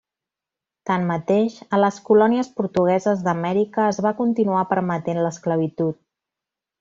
Tanmateix, a les colònies portugueses d'Amèrica es va continuar permetent l'esclavitud.